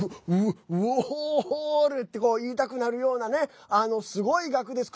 ウォーホルって言いたくなるようなすごい額です。